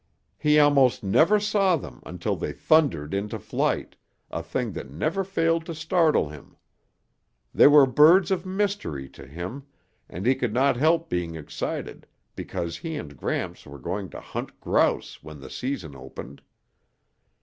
He almost never saw them until they thundered into flight, a thing that never failed to startle him. They were birds of mystery to him and he could not help being excited because he and Gramps were going to hunt grouse when the season opened.